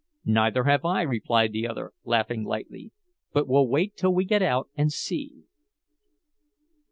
"Neither have I," replied the other, laughing lightly. "But we'll wait till we get out and see."